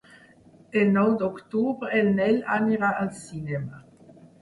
El nou d'octubre en Nel anirà al cinema.